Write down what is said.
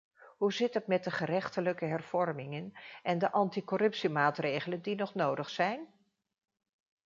Hoe zit het met de gerechtelijke hervormingen en de anti-corruptiemaatregelen die nog nodig zijn?